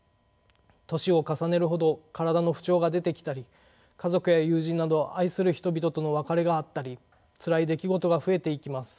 年を重ねるほど体の不調が出てきたり家族や友人など愛する人々との別れがあったりつらい出来事が増えていきます。